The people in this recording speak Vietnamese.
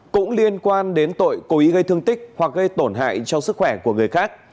cũng liên quan đến tội cố ý gây thương tích hoặc gây tổn hại cho sức khỏe của người khác